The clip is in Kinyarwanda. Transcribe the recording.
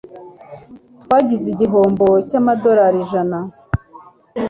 Twagize igihombo cyamadorari ijana,.